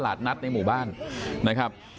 ท่านดูเหตุการณ์ก่อนนะครับ